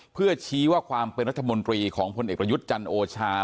เพื่อชี้ว่าความเป็นรัฐมนตรีของพลเอกประยุทธ์จันทร์โอชา